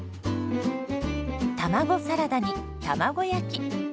卵サラダに卵焼き。